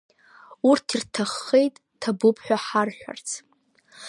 Урҭ ирҭаххеит ҭабуп ҳәа ҳарҳәарц.